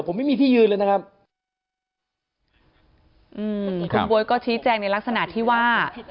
ผมไม่มีที่ยืนเลยนะครับอืมคุณบ๊วยก็ชี้แจงในลักษณะที่ว่า